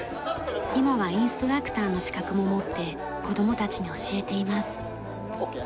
今はインストラクターの資格も持って子供たちに教えています。